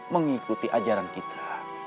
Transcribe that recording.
mengikuti ajaran kita